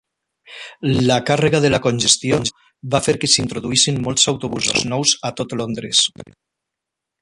La càrrega de la congestió va fer que s'introduïssin molts autobusos nous a tot Londres.